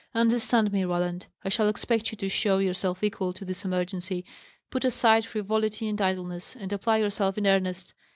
"Understand me, Roland: I shall expect you to show yourself equal to this emergency. Put aside frivolity and idleness, and apply yourself in earnest.